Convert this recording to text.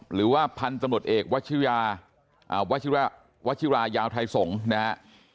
หรือว่าพันธุ์ตำรวจเอกวัชิยาววัชิรายาวไทยสงฆ์นะฮะ